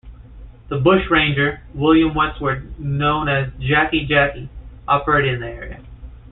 The bushranger, William Westwood, known as "Jackey Jackey", operated in the area.